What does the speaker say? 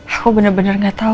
aku bener bener gak tau